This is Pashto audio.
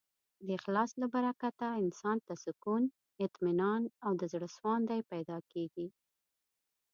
د اخلاص له برکته انسان ته سکون، اطمینان او زړهسواندی پیدا کېږي.